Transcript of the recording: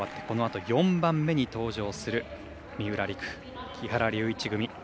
このあと、４番目に登場する三浦璃来、木原龍一組。